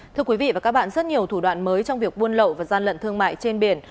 thưa quý vị và các bạn rất nhiều thủ đoạn mới trong việc buôn lậu và gian lận thương mại trên biển